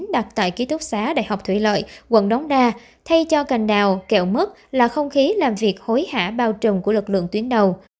đặt tại ký túc xá đại học thủy lợi quận đống đa thay cho cành đào kẹo mứt là không khí làm việc hối hả bao trùm của lực lượng tuyến đầu